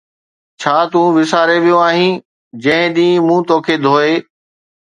ڇا تون وساري ويو آھين جنھن ڏينھن مون توکي ڌوئي؟